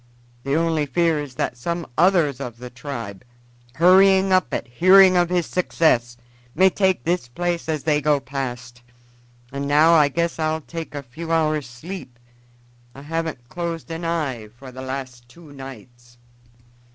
The only fear is that some others of the tribe, hurrying up at hearing of his success, may take this place as they go past. And now I guess I'll take a few hours' sleep. I haven't closed an eye for the last two nights."